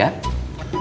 ya aku mau